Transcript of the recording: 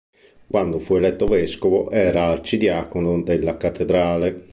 Quando fu eletto Vescovo era arcidiacono della Cattedrale.